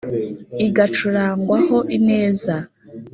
igacurangwa ho ineza